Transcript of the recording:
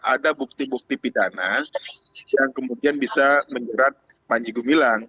ada bukti bukti pidana yang kemudian bisa menjerat panji gumilang